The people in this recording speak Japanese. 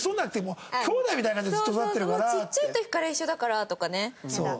「もうちっちゃい時から一緒だから」とかね。